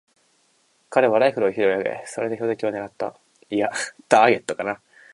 彼はライフルを拾い上げ、それで標的をねらった。